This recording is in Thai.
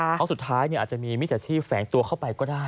เพราะสุดท้ายอาจจะมีมิจฉาชีพแฝงตัวเข้าไปก็ได้